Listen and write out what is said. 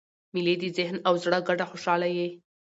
مېلې د ذهن او زړه ګډه خوشحاله يي.